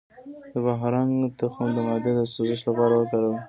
د بارهنګ تخم د معدې د سوزش لپاره وکاروئ